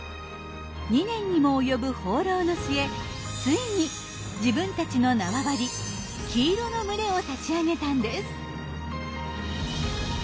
２年にもおよぶ放浪の末ついに自分たちの縄張り黄色の群れを立ち上げたんです。